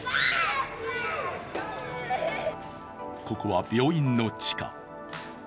ここは病院の地下。